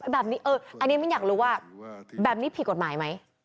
แบบนี้อันนี้มิ้นอยากรู้ว่าแบบนี้ผิดกฎหมายไหม